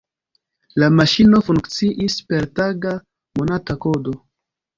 La maŝino funkciis per taga, monata kodo.